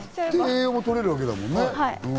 栄養も取れるんだもんね。